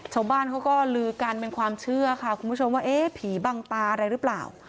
ชาวบ้านเขาก็ลือกันเป็นความเชื่อค่ะคุณผู้ชมว่าเอ๊ะผีบังตาอะไรหรือเปล่า